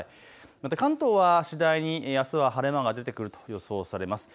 また関東は次第にあすは晴れ間が出てくると予想されます。